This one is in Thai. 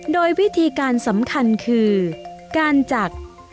โดยวิธีการสำคัญคือการจักร